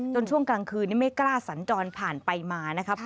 ช่วงกลางคืนนี้ไม่กล้าสัญจรผ่านไปมานะครับ